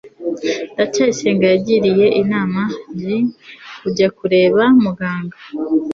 ndacyayisenga yagiriye inama j kujya kureba muganga